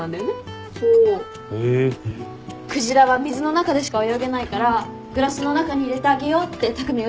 鯨は水の中でしか泳げないからグラスの中に入れてあげようって匠が言ってくれたんだ。